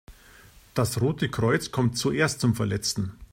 Das Rote Kreuz kommt zuerst zum Verletzten.